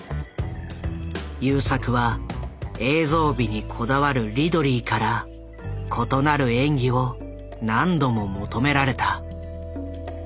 優作は映像美にこだわるリドリーから異なる演技を何度も求められた。